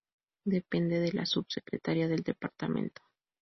Depende de la Subsecretaría del departamento.